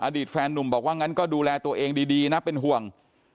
แฟนนุ่มบอกว่างั้นก็ดูแลตัวเองดีนะเป็นห่วง